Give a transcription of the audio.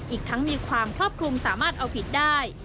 อีกทั้งมีความครอบคลุมสามารถเอาผิดได้